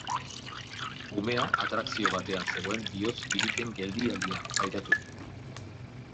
Umea atrakzio batean zegoen bihotz-biriken geldialdia pairatu zuenean.